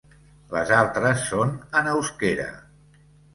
Les altres són en euskera.